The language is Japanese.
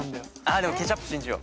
でもケチャップ信じよう。